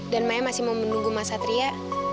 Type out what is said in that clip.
dan maya masih mau menunggu mas satria